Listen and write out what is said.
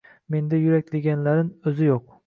Menda yurak deganlarin uzi yuq: